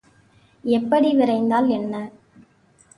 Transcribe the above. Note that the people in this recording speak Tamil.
எப்படி விரைந்தால் என்ன?